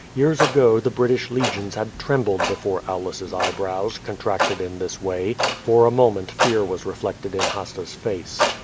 Years ago the British legions had trembled before Aulus's eyebrows, contracted in this way. For a moment fear was reflected in Hasta's face.